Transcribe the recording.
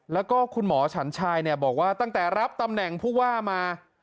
แล้วก็คุณหมอฉันชายเนี่ยบอกว่าตั้งแต่รับตำแหน่งผู้ว่ามา